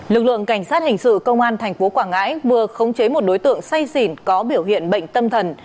lực lượng cảnh sát hình sự công an tp quảng ngãi vừa khống chế một đối tượng say xỉn có biểu hiện bệnh tâm thần